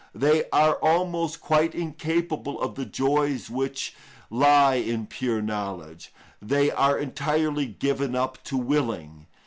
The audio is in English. They are almost quite incapable of the joys which lie in pure knowledge. They are entirely given up to willing.